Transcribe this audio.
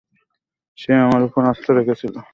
সে আমার উপর আস্থা রেখেছিল।